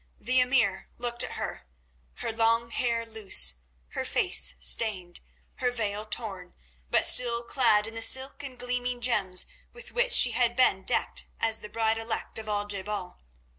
The Emir looked at her, her long hair loose, her face stained, her veil torn, but still clad in the silk and gleaming gems with which she had been decked as the bride elect of Al je bal.